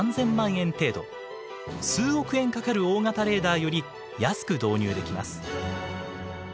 数億円かかる大型レーダーより安く導入できます。